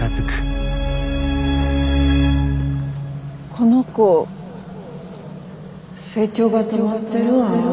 この子成長が止まってるわ。